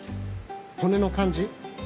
骨の感じ。